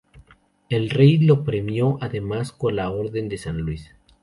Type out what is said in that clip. El rey lo premió además con la Orden de San Luis.